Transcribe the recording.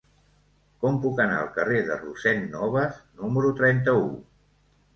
Com puc anar al carrer de Rossend Nobas número trenta-u?